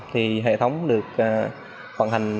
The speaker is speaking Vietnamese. thì hệ thống được vận hành